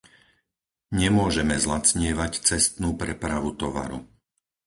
Nemôžeme zlacnievať cestnú prepravu tovaru.